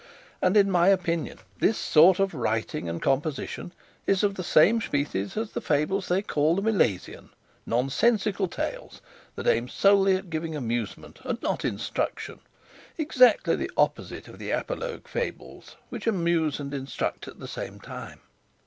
And in my opinion this sort of writing and composition is of the same species as the fables they call the Milesian, nonsensical tales that aim solely at giving amusement and not instruction, exactly the opposite of the apologue fables which amuse and instruct at the same time.